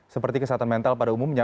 seperti kesehatan mental pada umumnya